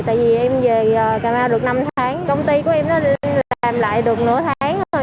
tại vì em về cà mau được năm tháng công ty của em làm lại được nửa tháng thôi